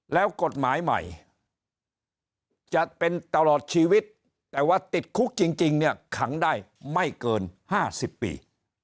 แล้วกฎหมายใหม่จะเป็นตลอดชีวิตแต่ว่าติดคุกจริงเนี่ยขังได้ไม่เกิน๕๐ปี